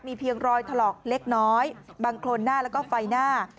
เพียงรอยถลอกเล็กน้อยบางโครนหน้าแล้วก็ไฟหน้า